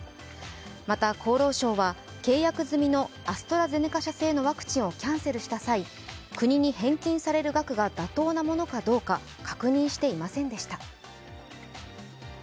また、厚労省は契約済みのアストラゼネカ社製のワクチンをキャンセルした際、国に返金される額が妥当なものかどうか確認していませんでした。